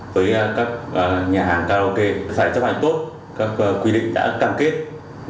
với các nhà hàng karaoke phải chấp hành tốt các quy định đã cam kết